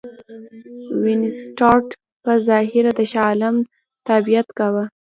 وینسیټارټ په ظاهره د شاه عالم تابعیت کاوه.